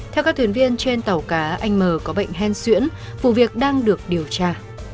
theo các thuyền viên trên tàu cá anh m có bệnh hen xuyễn vụ việc đang được điều tra